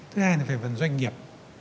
thứ hai là về phần doanh nghiệp